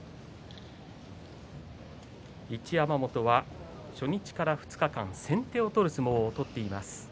一山本は初日から２日間先手を取る相撲を取っています。